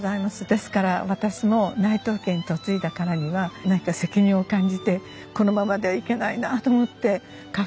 ですから私も内藤家に嫁いだからには何か責任を感じてこのままではいけないなあと思ってカフェにいたしました。